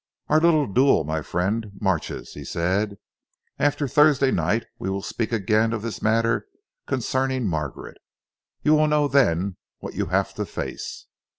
"Our little duel, my friend, marches," he said. "After Thursday night we will speak again of this matter concerning Margaret. You will know then what you have to face."